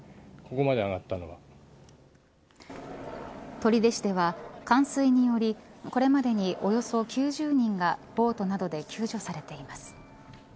取手市では冠水によりこれまでに、およそ９０人がボートなどで救助されています。